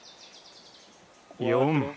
４。